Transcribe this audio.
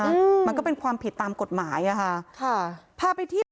อืมมันก็เป็นความผิดตามกฎหมายอ่ะค่ะค่ะพาไปเทียบ